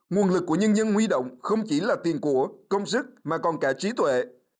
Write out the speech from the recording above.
nguồn lực của nhân dân huy động không chỉ là tiền của công sức mà còn cả trí tuệ